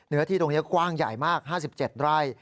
เนื้อที่ตรงนี้กว้างใหญ่มาก๕๗ไร่